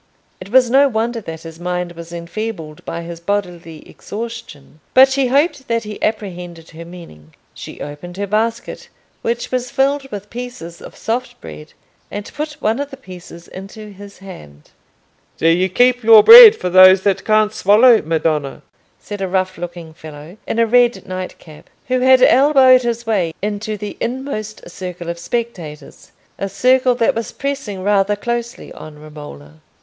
It was no wonder that his mind was enfeebled by his bodily exhaustion, but she hoped that he apprehended her meaning. She opened her basket, which was filled with pieces of soft bread, and put one of the pieces into his hand. "Do you keep your bread for those that can't swallow, madonna?" said a rough looking fellow, in a red night cap, who had elbowed his way into the inmost circle of spectators—a circle that was pressing rather closely on Romola.